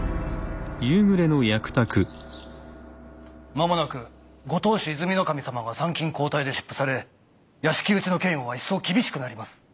間もなくご当主和泉守様が参勤交代で出府され屋敷内の警固は一層厳しくなります。